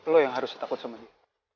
lo yang harus takut sama sih